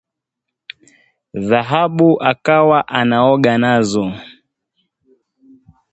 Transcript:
Dhahabu akawa anaoga nazo